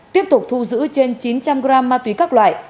tiếp tục thu giữ trên chín trăm linh g ma túy các loại